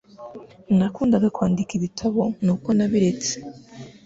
Nakundaga kwandika ibitabo nuko nabiretse